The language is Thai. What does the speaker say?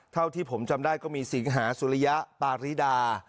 เท่าที่ผมจำได้ก็มีสิงหาสุริยะปาริดา